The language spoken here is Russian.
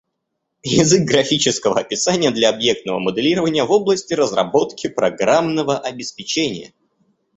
Язык графического описания для объектного моделирования в области разработки программного обеспечения